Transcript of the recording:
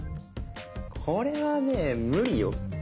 これはね無理よ。